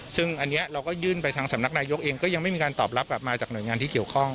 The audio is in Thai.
ซึ่งอันนี้เราก็ยื่นไปทางสำนักนายกเองก็ยังไม่มีการตอบรับกลับมาจากหน่วยงานที่เกี่ยวข้อง